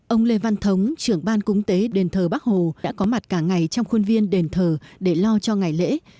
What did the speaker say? ông lê văn thống trưởng ban cúng tế đền thờ bắc hồ đã có mặt cả ngày trong khuôn viên đền thờ để lo cho ngày lễ